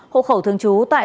hộ khẩu thường trú tại